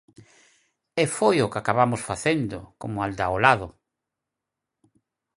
E foi o que acabamos facendo como Aldaolado.